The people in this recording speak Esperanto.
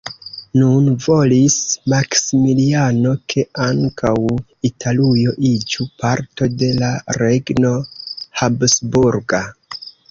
Nun volis Maksimiliano ke ankaŭ Italujo iĝu parto de la regno habsburga.